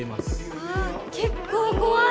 ああ結構怖い。